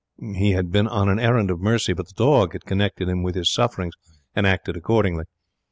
He had been on an errand of mercy, but the dog had connected him with his sufferings and acted accordingly.